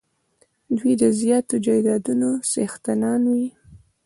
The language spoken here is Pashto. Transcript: دوی د زیاتو جایدادونو څښتنان وي.